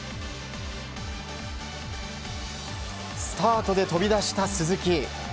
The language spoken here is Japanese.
スタートで飛び出した鈴木。